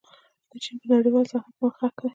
چین په نړیواله صحنه کې مخکښ دی.